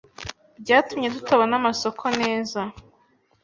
byatumye tutabona amasoko neza